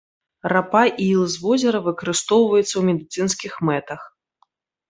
Рапа і іл з возера выкарыстоўваюцца ў медыцынскіх мэтах.